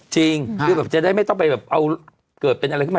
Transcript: จริงจะได้ไม่ต้องไปเอาเกิดเป็นอะไรขึ้นมา